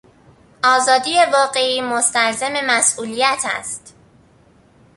آزادی واقعی مستلزم مسئولیت است.